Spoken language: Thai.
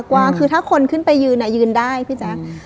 กว้างคือถ้าคนขึ้นไปยืนยืนได้พี่แจ๊ค